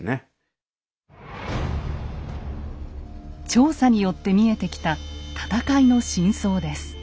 調査によって見えてきた戦いの真相です。